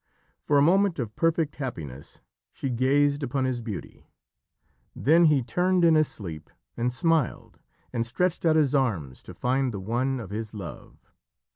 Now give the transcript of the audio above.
For a moment of perfect happiness she gazed upon his beauty. Then he turned in his sleep, and smiled, and stretched out his arms to find the one of his love.